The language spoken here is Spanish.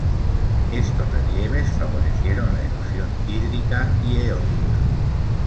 Estos relieves favorecieron la erosión hídrica y eólica.